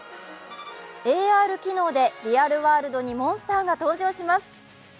ＡＲ機能でリアルワールドにモンスターが登場します。